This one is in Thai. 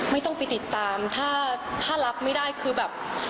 ไม่ต้องไปติดตามถ้ารับไม่ได้คือแบบ